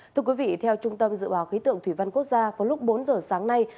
thưa quý vị theo trung tâm dự báo khí tượng thủy văn quốc gia vào lúc bốn giờ sáng nay